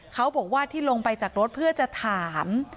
เขาบอกว่าที่ลงไปจากรถเพื่อจะถาม